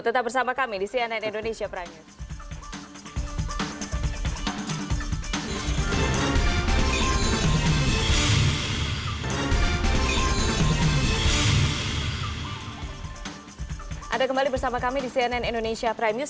tetap bersama kami di cnn indonesia prime news